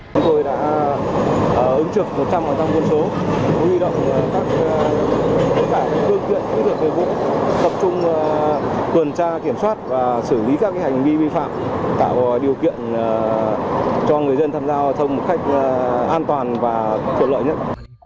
điều kiện kỹ thuật về vụ tập trung tuần tra kiểm soát và xử lý các hành vi vi phạm tạo điều kiện cho người dân tham gia giao thông một cách an toàn và thuận lợi nhất